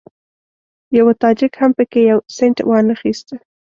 یوه تاجک هم په کې یو سینټ وانخیست.